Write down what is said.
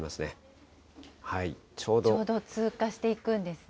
ちょうど通過していくんです